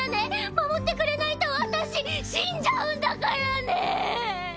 守ってくれないと私死んじゃうんだからね！